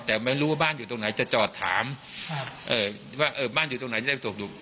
แต่ไม่รู้ว่าบ้านอยู่ตรงไหนจะจอดถามว่าเออบ้านอยู่ตรงไหนจะได้ตกอยู่